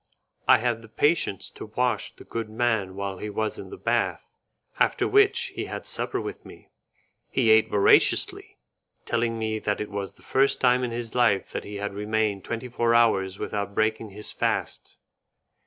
I had the patience to wash the good man while he was in the bath, after which he had supper with me; he ate voraciously, telling me that it was the first time in his life that he had remained twenty four hours without breaking his fast.